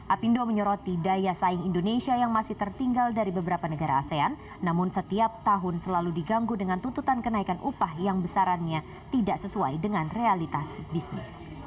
apindo menyoroti daya saing indonesia yang masih tertinggal dari beberapa negara asean namun setiap tahun selalu diganggu dengan tuntutan kenaikan upah yang besarannya tidak sesuai dengan realitas bisnis